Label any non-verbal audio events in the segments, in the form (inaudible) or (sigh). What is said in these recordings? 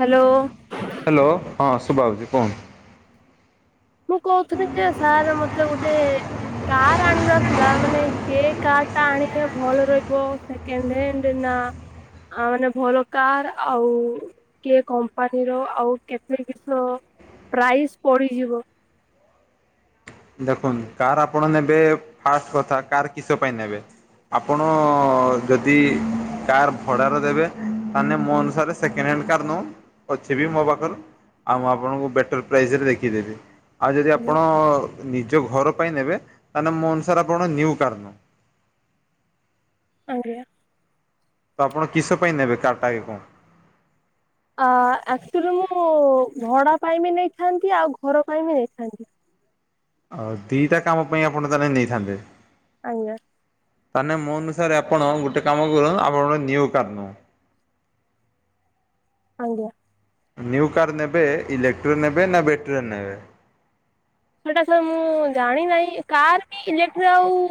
Hello hello ହଁ ସୁଭାଯାଉଚି କହନ୍ତୁ। ମୁଁ କହୁଥିଲି ଯେ ସାର୍ ମତେ ଗୋଟେ କାର୍ ଆଣିବାର ଥିଲା ମାନେ କେ କାର୍ ଟା ଆଣିଲେ ଭଲ ରହିବ ସେ (unintelligible) ଏ ନା ଆ ମାନେ ଭଲ କାର ଆଉ କି କମ୍ପାନୀର ଆଉ କେତେ କିସ ପ୍ରାଇସ୍ ପଡିଯିବ। ଦେଖନ୍ତୁ କାର୍ ଆପଣ ନେବେ ଫାଷ୍ଟ କଥା କାର କିସ ପାଇଁ ନେବେ? ଆପଣ ଯଦି କାର୍ ଭଡ଼ାରେ ଦେବେ ତାନେ ମୋ ଅନୁସାରେ ସେକେଣ୍ଡ ହ୍ୟାଣ୍ଡ କାର୍ ନାଉନୁ ଅଛି ବି ମୋ ପାଖରେ ଆଉ ମୁଁ ଆପଣଙ୍କୁ ବେଟର୍ ପ୍ରାଇସ୍ ରେ ଦେଖିଦେବି ଆଉ ଯଦି ଆପଣ ନିଜ ଘର ପାଇଁ ନେବେ ତାହେଲେ ମୋ ଅନୁସାରେ ଆପଣ ନିଉ କାର୍ ନି ଆଜ୍ଞା ତ ଆପଣ କିସ ପାଇଁ ନେବେ କାରଟା ଆଗେ କୁ ଆ ଆକ୍ଚୁଲି ମୁଁ ଭଡ଼ା ପାଇଁ ବି ନେଇଥାନ୍ତି ଆଉ ଘର ପାଇଁ ବି ନେଇଥାନ୍ତି। ଆଉ ଦିଟା କାମ ପାଇଁ ଆପଣ ତାହେଲେ ନେଇଥାନ୍ତେ ଆଜ୍ଞା ତାନେ ମୋ ଅନୁସାରେ ଆପଣ ଗୋଟେ କାମ କରନ୍ତ ଆପଣ ନିଉ କାର ନୁ ଆଜ୍ଞା ନିୟୁ କାର୍ ନେବେ ଇଲେକ୍ଟ୍ରି ନେବେ ନା ବ୍ୟାଟେରୀରେ ନେବେ? ସେଇଟା ସାର ମୁଁ ଜାଣି ନାହିଁ କାର ବି ଇଲେକ୍ଟ୍ରି ଆଉ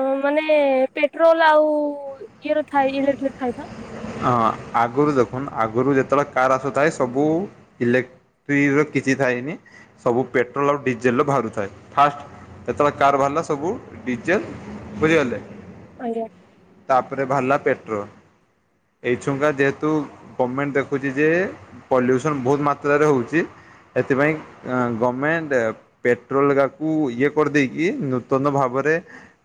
ଅ ମାନେ ପେଟ୍ରୋଲ ଆଉ ଇଏର ଥାଏ ଇଲେକ୍ଟ୍ରିକ ଫାଇଦା। ହଁ ଆଗରୁ ଦେଖୁନ୍ତ ଆଗରୁ ଯେତେବେଳେ କାର୍ ଆସୁଥାଏ ସବୁ ଇଲେକ୍ ତ୍ରି ର କିଛି ଥାଇନି ସବୁ ପେଟ୍ରୋଲ ଆଉ ଡିଜେଲ ର ବାହାରୁଥାଏ ଫାଷ୍ଟ ଯେତେବେଳେ କାର ବାହାରିଲା ସବୁ ଡିଜେଲ ବୁଝିଗଲେ ଆଜ୍ଞା ତାପରେ ବାହାରିଲା ପେଟ୍ରୋଲ। ଏଇ ଛୁଙ୍କା ଯେହେତୁ ଗଭର୍ଣ୍ଣମେଣ୍ଟ ଦେଖୁଛି ଯେ ପଲ୍ୟୁସନ ବହୁତ ମାତ୍ରାରେ ହଉଛି ଏଥିପାଇଁ ଗଭର୍ଣ୍ଣମେଣ୍ଟ ପେଟ୍ରୋଲ ଟାକୁ ଇଏ କରିଦେଇକି ନୂତନ ଭାବରେ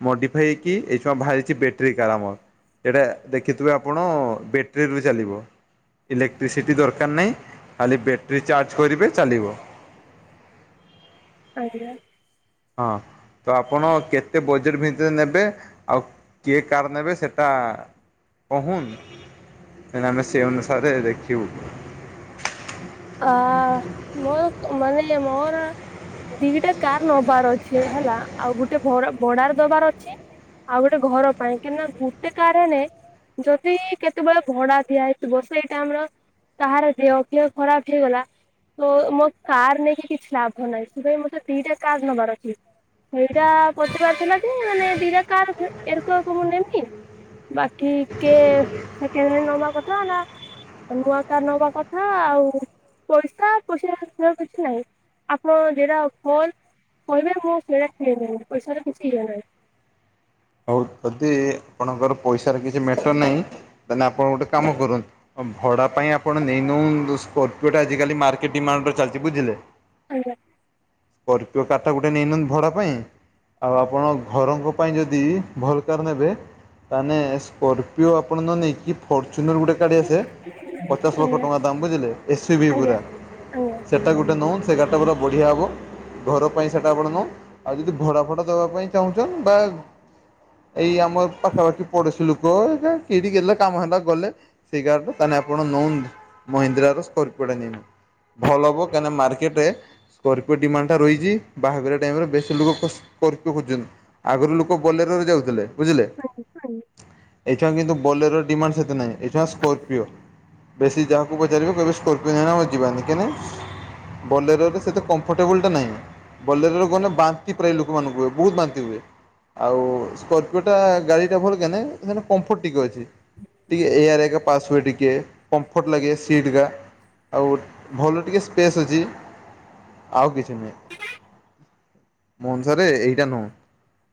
ମଡିଫାଇ ହେଇକି ଏଇଶୁଣା ବାହାରିଚି ବଟେରୀ କାରାମର୍ ସେଟା ଦେଖିଥିବେ ଆ ଆପଣ ବ୍ୟାଟେରୀରୁ ଚାଲିବ। ଇଲେକ୍ଟ୍ରିସିଟି ଦରକାର ନାହିଁ ଖାଲି ବ୍ୟାଟେରୀ ଚାର୍ଜ କରିବେ ଚାଲିବ। ଆଜ୍ଞା। ହଁ ତ ଆପଣ କେତେ ବଜେଟ ଭିତରେ ନେବେ ଆଉ କିଏ କାର୍ ନେବେ ସେଟା କହୁନ। ଆରେ ଆମେ ସେ ଅନୁସାରେ ଦେଖିବୁ। ଅ ମୋର ମାନେ ମୋର ଦିଟା କାର୍ ନ ବାର ଅଛି ହେଲା ଆଉ ଗୋଟେ ଭ ଭଡାରେ ଦବାର ଅଛି। ଆଉ ଗୋଟେ ଘର ପାଇଁ କି ନା ଗୋଟେ କାର୍ ହେନେ। ଯଦି କେତେବେଳେ ଭଡା ଦିଆ ହେଇଥିବ ସେଇଟା ଆମର କାହାର ଦେହ ଫେଅ। ଖରା ଉଠି ଗଲା ତ ମୋ କାର୍ ନେଇକି କିଛି ଲାଭ ନାହିଁ ସେଥି ପାଇଁ ମୋତେ ଦିଟା କାର୍ ନବାରଅଛି। ସେଇଟା ପଜିବାରଥିଲା କି ମାନେ ଦିଟା କାର୍ ଏରକ ମୁଁ ନେବି। ବାକି କେ ସେକେଣ୍ଡରେ ନବା କଥା ନା। ନୂଆ କାର୍ ନବା କଥା ଆଉ ପଇସା ପଇସା ହେଥିରେ କିଛି ନାହିଁ। ଆପଣ ଯେଟା ଭଲ କହିବେ ମୁଁ ସେଇଟା କିଣିନିବି ପଇସାରେ କିଛି ଇଏ ନାହିଁ। ହଉ ଯଦି ଆପଣଙ୍କର ପଇସାର କିଛି ମେଟର ନାହିଁ ତାହେଲେ ଆପଣ ଗୋଟେ କାମ କରନ୍ତୁ। ଭଡା ପାଇଁ ଆପଣ ନେଇନଉ ସ୍କର୍ପିଓ ଟା ଆଜି କାଲି ମାର୍କେଟ ଡିମାଣ୍ଡରେ ଚାଲିଚି ବୁଝିଲେ। ଆଜ୍ଞା। ସ୍କର୍ପିଓ କାଟା ଗୋଟେ ନେଇନିଅତୁ ଭଡା ପାଇଁ ଆଉ ଆପଣ ଘରଙ୍କ ପାଇଁ ଯ ଯଦି ଭଲକାର୍ ନେବେ ତାହାନେ ସ୍କର୍ପିଓ ଆପଣ ନ ନେଇକି ଫର୍ଚୁନର୍ ଗୋଟେ ଗାଡ଼ି ଆସେ ପଚାଶ ଲକ୍ଷ ଟଙ୍କା ଦାମ୍ ବୁଝିଲେ ଏସ ବି ଆଜ୍ଞା ପୁରା। ଆଜ୍ଞା ସେଟା ଗୋଟେ ନଉନ ସେ ଗାଡ଼ିଟା ପୁରା ବଢିଆ ହବ। ଘର ପାଇଁ ସେଟା ଆପଣ ନଉ ଆଉ ଯଦି ଭଡା ଫଡା ଦବା ପାଇଁ ଚାହୁଚନ ବା ଏଇ ଆମର ପାଖାପାଖି ପଡୋଶୀ ଲୋକ କିଠି ଗେଲା କାମ ହେଲା ଗଲେ। ସେଗାଡ଼ିର ତାହାଲେ ଆପଣ ନଓ ମହିନ୍ଦ୍ରାର ସ୍କର୍ପିଓ ନେଇନିଅ। ଭଲ ହବ କାହିକିନା ମାର୍କେଟରେ। ସ୍କରର୍ପିଓ ଡିମାଣ୍ଡଟା ରହିଚି ବାହାଘର ଟାଇମରେ ବେଶ ଲୋକ ଖେ ସ୍କରର୍ପିଓ ଖୋଜୁଚନ୍ତି ଆଗରୁ ଲୋ ବୋଲେରରେ ଯାଉଥିଲେ ବୁଝିଲେ ଆଜ୍ଞା ଏଶୁଣା କିନ୍ତୁ ବୋଲେରରେ ଡିମାଣ୍ଡ ସେତେ ନାହିଁ। ଏଇଠା ସ୍କର୍ପିଓ ବେଶୀ ଯାହାକୁ ପଚାରିବେ କେହିବେ ସ୍କର୍ପିଓ ନୁହେଁ ଆମ ଯିବାନି କେ ନେ। ବଲେରରେ ସେତେ କମ୍ଫର୍ଟେବଲ ଟା ନାହିଁ। ବଲେରରେ ଗନେ ବାନ୍ତି ପ୍ରାୟ ଲୋକମାନଙ୍କୁ ହୁଏ ବହୁତ ବାନ୍ତି ହୁଏ। ଆଉ ସ୍କର୍ପିଓ ଟା ଗାଡି ଟା ଭଲ କେନେ ସେ କମ୍ଫର୍ଟ ଟିକେ ଅଛି। ଟିକେ ଏଆର ଏକା ପାସ ହୁଏ ଟିକେ ପମ୍ଫର୍ଟ ଲାଗେ ସିଟ୍ କା। ଆଉ ଭଲ ଟିକେ ସ୍ପେସ୍ ଅଛି ଆଉ କି ମନସରେ ଏଇଟା ନୁହଁ।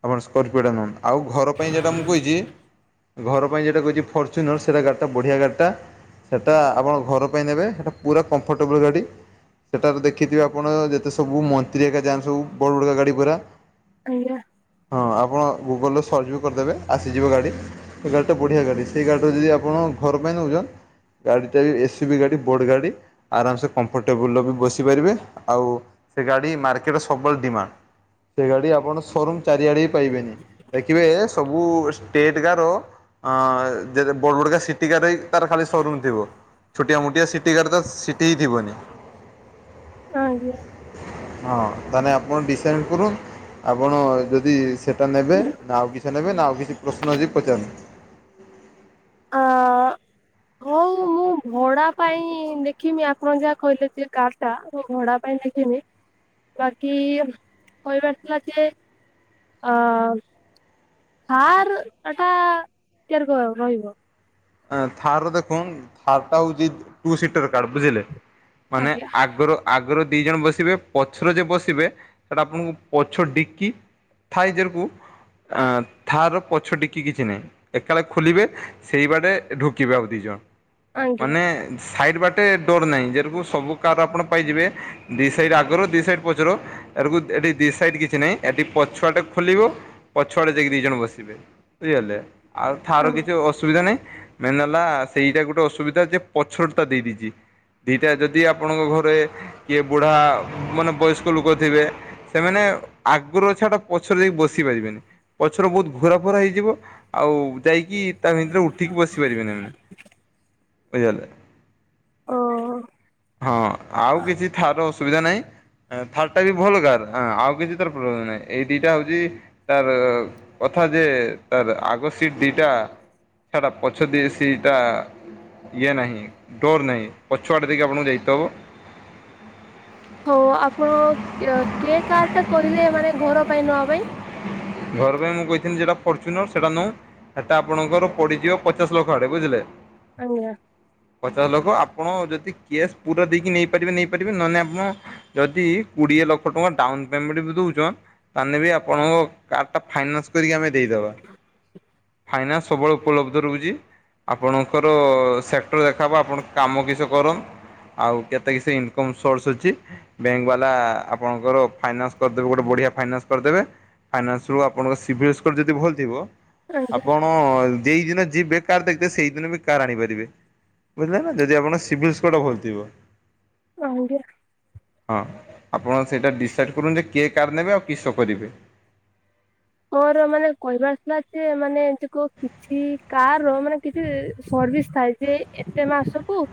ଆପଣ ସ୍କର୍ପିଓଟା ନିଅନ୍ତୁ ଆଉ ଘର ପାଇଁ ଯେଉଟା ମୁଁ କହିଚି। ଘର ପାଇଁ ଯେଟା କହିଚି ଫର୍ଚୁନର ସେଇଟା ଗାଡିଟା ଟାଢିଆ ଗାଡିଟା। ସେଇଟା ଆପଣ ଘର ପାଇଁ ନେବେ ସେଇଟା ପୁରା କମ୍ଫର୍ଟେବଲ୍ ଗାଡ଼ି। ସେଠାରେ ଦେଖିଥିବେ ଆପଣ ଯେତେ ସବୁ ମନ୍ତ୍ରୀ ଏକା ଯାନ୍ତି ସବୁ ବଡ଼ ବଡ଼ ଗାଡ଼ି ପୁରା। ଆଜ୍ଞା। ହଁ ଆପଣ ଗୁଗୁଲରେ ସର୍ଚ୍ଚ ବି କରିଦେବେ ଆସିଯିବ ଗାଡ଼ି। ସେ ଗାଡିଟା ବଢିଆ ଗାଡି ସେଇ ଗାଡିରେ ଯଦି ଆପଣ ଘର ପାଇଁ ନଉଚ। ଗାଡ଼ିଟା ବି ଏସି ବି ଗାଡ଼ି ବୋଡ଼ ଗାଡ଼ି। ଆରାମସେ କମ୍ଫର୍ଟେବଲରେ ବି ବସି ପାରିବେ। ଆଉ ସେ ଗାଡି ମାର୍କେଟରେ ସବୁବେଳେ ଡିମାଣ୍ଡ। ସେ ଗାଡି ଆପଣ ସୋରୁମ୍ ଚାରିଆଡେ ବି ପାଇବେନି। ଦେଖିବେ ସବୁ ଷ୍ଟେଟ ଗାର ହଁ ଯେ ବଡ଼ବଡକା ସିଟିକାରେ ତାର ଖାଲି ସୋରୁମ ଥିବ। ଛୋଟିଆ ମୋଟିଆ ସିଟି ଗାର୍ ତ ସିଟି ହିଁ ଥିବନି। ଆଜ୍ଞା। ହଁ ତାହେଲେ ଆପଣ ଡିସାଇଡ୍ କରନ୍ତୁ। ଆପଣ ଯଦି ଯଦି ସେଇଟା ନେବେ, ନା ଆଉ କିଛି ନେବେ, ନା ଆଉ କିଛି ପ୍ରଶ୍ନ ଅଛି ପଚାରନ୍ତୁ। ଆ (unintelligible) ହଉ ମୁଁ ଭଡା, ପାଇଁ ଦେଖମି ଆପଣ ଯାହା କହିଲେ ସେ କାର। କାର ଟା ଭଡା ପାଇଁ ନେବିନି ବାକି କହିବାର ଥିଲା ଯେ (inaudible) ହଁ ଥାର୍ ର ଦେଖନ୍। ଥାର୍ ଟା ହେଉଛି ଟୁ ସିଟର କାର। ବୁଝିଲେ? ମାନେ ଆଜ୍ଞା ଆଗରୁ ଆଗରେ ଦି ଜଣ ବସିବେ। ପଛରେ ଯେ ବସିବେ ସେଟା ଆପଣଙ୍କୁ ପଛ ଡିକି ଥାଇ (unintelligible) ଆଁ ଥାର୍ ର ପଛ ଡ଼ିକି କିଛି ନାହିଁ। ଏକାଳେ ଖୋଲିବେ ସେଇ ବାଟେ ଏ ଢୁକିବା ଆମେ ଦି ଜଣ। ଆଜ୍ଞା ମାନେ। ସାଇଡ଼୍ ବାଟେ ଡୋର୍ ନାହିଁ। ଯେ ରକମ ସବୁ କାର୍ ର ଆପଣ ପାଇଯିବେ ଦି ସାଇଡ଼୍ ଆଗରୁ ଦି ସାଇଡ଼୍ ପଛରୁ। (inaudible) ଏଠି ଦି ସାଇଡ କିଛି ନାହିଁ, ଏଠି ପଛୁଆଡ଼ୁ ଖୋଲିବ ପଛ ଆଡେ ଯାଇକି ଦି ଜଣ ବସିବେ। ବୁଝିଗଲେ ଆଉ ଥା୍ର ର ଆଜ୍ଞା କିଛି ଅସୁବିଧା ନାହିଁ। ମେନ୍ ହେଲା ସେଇଟା ଗୋଟେ ଅସୁବିଧା ଯେ ପଛର ତା ଦେଇଦେଇଛି। ଦିଟା ଯଦି ଆପଣଙ୍କ ଘରେ କିଏ, ବୁଢା ମାନେ ବୟସ୍କ ଲୋକ ଥିବେ ସେମାନେ ଆଗରୁ ଛଡା ପଛରୁ ଯାଇକି ବସି ପାରିବେନି। ପଛର ବହୁତ ଘୋରା ଫରା ହେଇଯିବ। ଆଉ। ଯାଇକି ତା ଭିତରେ ଉଠିକି ବସି ପାରିବେନି ମାନେ ବୁଝି ପାଇଲେ ନା। ଓ ହଁ ଆଉ କିଛି ଥାର୍ ର ଅସୁବିଧା ନାହିଁ। ଥାର୍ ଟା ବି ଭଲ କାର୍। ଆଉ କିଛି ତାର ପ୍ରୋବ୍ଲେମ ନାହିଁ। ଏଇ ଦିଟା ହଉଛି ତାର କଥା ଯେ ତାର ଆଗ ସିଟ୍ ଦିଟା ଛାଡା ପଛ ଦି ସେଇଟା ଇଏ ନାହିଁ, ଡୋର୍ ନାହିଁ, ପଛଆଡ଼େ ଦେଇକି ଆପଣଙ୍କୁ ଯାଇ ତେ ହେବ। ହଉ ଆପଣ କେ କେ କାର୍ ଟା କହିଲେ ମାନେ ଘର ପାଇଁ ନବା ପାଇଁ? ଘର ପାଇଁ ମୁଁ କହିଥିଲି ଯେଟା ଫର୍ଚୁନର୍ ସେଇଟା ନେଁ। ସେଟା ଆପଣଙ୍କର ପଡିଯିବ, ପଚାଶ ଲକ୍ଷ ଆଡେ ବୁଝିଲେ। ଆଜ୍ଞା। ପଚାଶ ଲକ୍ଷ୍ୟ ଆପଣ ଯଦି କେସ୍ ପୁରା ଦେଇକି ନେଇପାରିବେ, ନେଇପାରିବେ ନହେଲେ ଆପଣ ଯଦି କୋଡିଏ ଲକ୍ଷ ଟଙ୍କା ଡାଉନ ପେମେଣ୍ଟ ବି ଦଉଛ ତାହେଲେ ବି ଆପଣଙ୍କ କାର୍ ଟା ଫାଇନାନ୍ସ କରିକି ଆମେ ଦେଇଦବା। ଫାଇନାନ୍ସ ସବବେଳେ ଉପଲବ୍ଧ ରହୁଛି, ଆପଣଙ୍କର ସେକ୍ଟର ଦେଖା ହବ ଆପଣ କାମ କିଛି କର ଆଉ କେତେ, କି ସେ ଇନକମ୍ ସୋରସ୍ ଅଛି। ବ୍ୟାଙ୍କ ବାଲା ଆପଣଙ୍କର ଫାଇନାନ୍ସ କରିଦେବେ ଗୋଟେ ବଢ଼ିଆ ଫାଇନାନ୍ସ କରିଦେବେ। ଫାଇନ୍ସ ରୁ ଆପଣଙ୍କ ସିଭିଲ୍ ସ୍କୋର ଯଦି ଭଲ ଥିବ ଆଜ୍ଞା ଆପଣ ହଁ ଦି ଦିନ ଯିବେ, କାର ଦେଖଦେ ସେଇଦିନ ବି କାର ଆଣିପାରିବେ। ବୁଝିଲେ ନା ଯଦି ଆପଣ ଙ୍କ ସିଭିଲ୍ ସ୍କୋର ଭଲଥିବ। ଆଜ୍ଞା। ହଁ ଆପଣ ସେଇଟା ଡିସାଇଡ଼୍ କରୁନ୍ତୁ ଯେ କିଏ କାର୍ ନେବେ ଆଉ କିସ କରିବେ। ମୋର ମାନେ କହିବାର ଥିଲା ଯେ ମାନେ ଯ କିଛି କାର ର ମାନେ କିଛି ସର୍ଭିସ୍ ଥାଏ। ସେ ଏତେ ମାସକୁୁ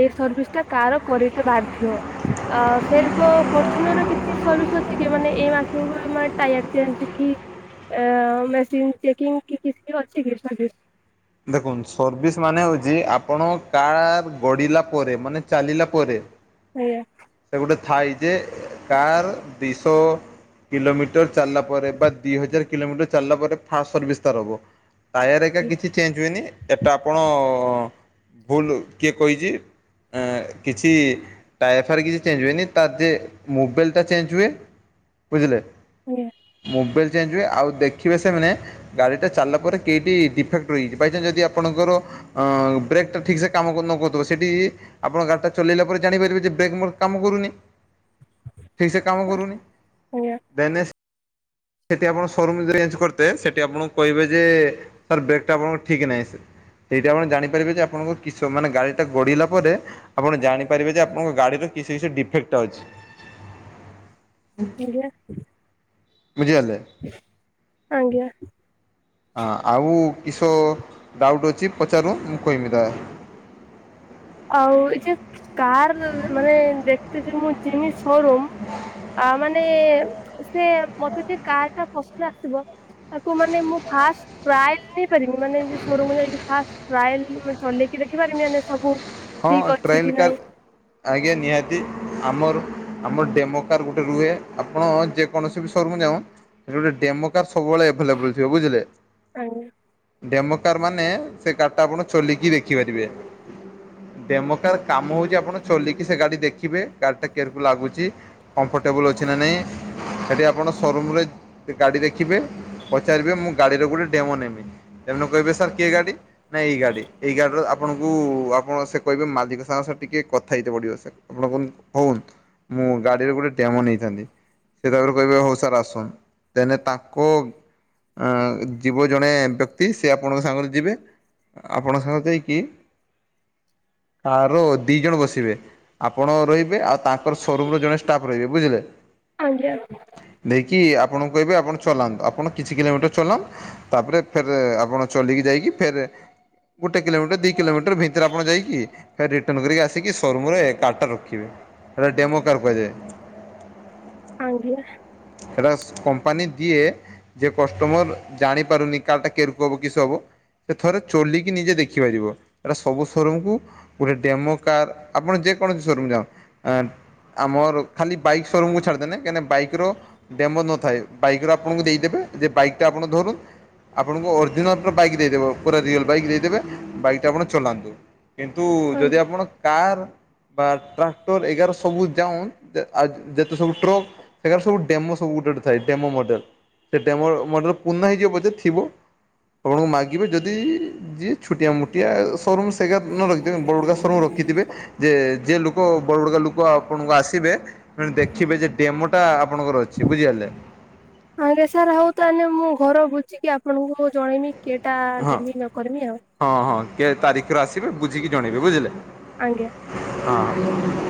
ଏଇ ସର୍ଭିସ୍ ଟା କାର କରି ତ ବାଧ୍ୟ ସେ ତ ଫୋରଚୁନର କି ସର୍ଭିସ୍ ଅଛି, କି ମାନେ ଏ ମାସକୁ ଟାୟାର ଚେଞ୍ଜ କି ମେସିନ୍ ଚେକିଂ କି କିକ ଅଛି କି ସଜିସ୍। ଦେଖନ୍ତୁ ସର୍ଭିସ୍ ମାନେ ହେଉଛି ଆପଣ କାର୍ ଗଡ଼ିଲା ପରେ ମାନେ ଚାଲିଲା ପରେ ଆଜ୍ଞା। ସେ ଗୋଟେ ଥାଇ, ଯେ କାର୍ ଦୁଇଶହ କିଲୋମିଟର ଚାଲିଲା ପରେ ବା ଦି ହଜାର କିଲୋମିଟର ଚାଲିଲା ପରେ ଫାଷ୍ଟ ସର୍ଭିସ୍ ତାର ହବ ଟାୟାର ଏକା କିଛି ଚେଞ୍ଜ ହୁଏନି, ଏଟା ଆପଣ ଭୁଲ କିଏ କହିଛି। କିଛି ଟାୟର ଫାର୍ କି ଚେଞଜ ହୁଏନି ତାର ଯେ ମୋବିଲ ଟା ଚେଞ୍ଜ ହୁଏ ବୁଝିଲେ। ଆଜ୍ଞା ମୋବିଲ ଚେଞ୍ଜ ହୁଏ ଆଉ ଦେଖିବେ ସେମାନେ ଗାଡି ଟା ଚାଲିଲା ପରେ ଡିଫେକ୍ ବାଇଚାନ୍ସ ଯଦି ଆପଣଙ୍କର ବ୍ରେକ୍ଟା ଠିକ୍ସେ କାମ ନ କରୁଥିବ ସେଇଠି ଆପଣ ଗାଡି ଟା ଚଲେଇଲା ପରେ ଜାଣିପାରିବେ ଯେ ବ୍ରେକ୍ ମୋର କାମ କରୁନି। ଠିକ ସେ କାମ କରୁନି ଆଜ୍ଞା ଦେନେଶ ସେଇଠି ଆପଣ ସୋରୁମ୍ ଯଦି ରେଞ୍ଜ କରିଥେ ସେଠି ଆପଣଙ୍କୁ କହିବେ ଯେ ସାର୍ ବ୍ରେକ୍ଟା ଆପଣଙ୍କ ଠିକ୍ ନାହିଁ ସାର୍। ସେଇଟା ଆପଣ ଜାଣିପାରିବେ ଯେ ଆପଣଙ୍କ କିସ ମାନେ ଗାଡି ଟା ଗଡିଲା ପରେ‌ ଆପଣ ଜାଣିପାରିବେ ଯେ ଆପଣଙ୍କ ଗାଡିର କିଛି କିଛି ଡିଫେକ୍ଟ ଅଛି। ନିଜ ବୁଝିିପାରିଲେ। ଆଜ୍ଞା। ହଁ ଆଉ କିସ ଡାଉଟ୍ ଅଛି ପଚାରୁ ମୁଁ କହିମି ତା। ଆଉ ଏ ଯେ କାର ମାନେ ଦେଖ ଯେ ମୁଁ ଯେମି ସୋରୁମ୍ ଆ ମାନେ ସେ ମତେ ଟ କାର୍ ଟା ପସନ୍ଦ ଆସିବ। ତାକୁ ମାନେ ମୁଁ ଫାଷ୍ଟ ଟ୍ରାଏଲ ନେଇପାରି ମାନେ ସୋରୁମ୍ ଯାଇକି ଫାର୍ଷ୍ଟ ଟ୍ରାଏଲ୍ ଚଲେଇକି ଦେଖିବା ମାନେ ସବୁ। ହଁ ଠିକ ଅଛି କି ଟ୍ରାଏଲ୍। ନାଇଁ ଆଜ୍ଞା ନିହାତି ଆମର ଆମର ଡେମୋକାର୍ ଗୋଟେ ରୁହେ ଆପଣ ଯେକୌଣସି ବି ସୋରୁମ ଯାଉ ସେ ଗୋଟେ ଡେମୋକାର୍ ସବୁବେଳେ ଏଭେଲେବଲ ଥିବ ବୁଝିଲେ। ଆଜ୍ଞା ଡେମୋକାର୍ ମାନେ ସେ କାର୍ ଟା ଆପଣ ଚଲେଇକି ଦେଖିପାରିବେ। ଡେମୋକାର କାମ ହଉଛି ଆପଣ ଚଲିକି ସେ ଗାଡି ଦେଖିବେ ଗାଡି ଟା କେରକୁ ଲାଗୁଛି। କମ୍ଫର୍ଟେବୁଲ୍ ଅଛି ନା ନାହିଁ ସେଠି ଆପଣ ସୋରୁମରେ ଗାଡ଼ି ଦେଖିବେ। ପଚାରିବେ ମୁଁ ଗାଡିର ଗୋଟେ ଡେମୋ ନେମି। ତମ କହିବେ ସାର୍ କିଏ ଗାଡି ନା ଏଇ ଗାଡି ଏଇ ଗାଡିର ଆପଣଙ୍କୁ। ଆପଣ ସେ କହିବେ ମାଲିକ ସାଙ୍ଗସେ ଟିକେ କଥା ହେଇତ ପଡିବ ସେ ଆପଣ କ ହଉନ। ମୁଁ ଗାଡିରେ ଗୋଟେ ଡେମୋ ନେଇଥାନ୍ତି। ସେ ତାପରେ କହିବେ ହଉ ସାର୍ ଆସୁନ୍ ଦେନେ ତାଙ୍କୁ। ଯିବ ଜଣେ ବ୍ୟକ୍ତି ସେ ଆପଣଙ୍କ ସାଙ୍ଗରେ ଯିବେ ଆପଣଙ୍କ ସାଙ୍ଗରେ ଯାଇକି। କାର ଦି ଜଣ ବସିବେ ଆପଣ ରହିବେ ଆଉ ତାଙ୍କର ସୋରୁମ ଜଣେ ଷ୍ଟାଫ ରହିବେ ବୁଝିଲେ। (inaudible) ଦେଇକି ଆପଣଙ୍କୁ କହିବେ ଆପଣ ଚଲାନ୍ତୁ ଆପଣ କିଛି କିଲୋମିଟର ଚଲାନ୍ତ। ତାପରେ ଫେର ଆପଣ ଚଲେଇକି ଯାଇକି ଫେରେ ଗୋଟେ କିଲୋମିଟର ଦି କିଲୋମିଟର ଭ। ରେ ଆପଣ ଯାଇକି ରିଟନ୍ କରିକି ଆସିକି ସୋରୁମ୍ ରେ କାର୍ ଟା ରଖିବେ। ସେଟା ଡେମୋ କାର୍ କୁହାଯାଏ। ଆଜ୍ଞା ସେଟା କମ୍ପାନୀ ଦିଏ ଯେ କଷ୍ଟମର ଜାଣି ପାରୁନି କାର୍ ଟା କେ ହବ କିସ ହବ। ସେ ଥରେ ଚଲିକି ନିଜେ ଦେଖିପାରିବ। ଏଟା ସବୁ ସୋରୁମକୁ ଗୋଟେ ଡୋମୋ କାର୍ ଆପଣ ଯେକୌଣସି ସୋରୁମ ଯାଅ ଆ ଆଉ ମୋର ଖାଲି ବାଇକ୍ ସୋରୁମ କୁ ଛାଡ଼ିଦେଲେ କାହିଁକିନା ବାଇକର ଡେମୋ ନଥାଏ ବାଇକ୍ ଆପଣଙ୍କୁ ଦେଇଦେବେ ଯେ ବାଇକ୍ ଟା ଆପଣ ଧରୁ ଆପଣଙ୍କୁ ଅରିଜିନାଲ୍ ପୁରା ବାଇକ୍ ଦେଇଦେବ ପୁରା ରିଅଲ୍ ବାଇକ୍ ଦେଇଦେବେ ବାଇକ୍ ଟା ଆପଣ ଚଲାନ୍ତୁ। କିନ୍ତୁ ଯଦି ଆପଣ କାର୍। ବା ଟ୍ରାକ୍ଟର ଏଗାର ସବୁ ଯାଉନ୍ ଯେତେ ସବୁ ଟ୍ରକ୍। ସେରା ସବୁ ଡେମୋ ସବୁ ଗୋଟେ ଗୋଟେ ଥାଏ ଡେମୋ ମଡେଲ। ସେ ଡେମୋ ମଡେଲ ପୂରୁଣା ହେଇଯିବ ପଛେ ଥିବ। ଆପଣଙ୍କୁ ମାଗିବେ ଯଦି ଯିଏ ଛୋଟିଆ ମୋଟିଆ ସୋରୁମ ତେଣୁ ବଡ କା ସୋରୁମ ରଖିଥିବେ ଯେ ଯେ ଲୋ ଲୋକ ବଡବଡିକା ଲୋକ ଆପଣଙ୍କୁ ଆସିବେ ଦେଖିବେ ଯେ ଡେମୋ ଟା ଆପଣଙ୍କର ଅଛି ବୁଝିିପାରିଲେ? ଆଜ୍ଞା ସାର୍ ହଉ ତାହେଲେ ମୁଁ ଘର ବୁଝିକି ଆପଣଙ୍କୁ ଜଣେଇବି କିଏଟା ହଁ ନେବି ନ କରିବି ହଁ, ହଁ କେ ତାରିଖରେ ଆସିବେ ବୁଝିକି ଜଣେଇବେ ବୁଝିଲେ? ଆଜ୍ଞା! ହଁ,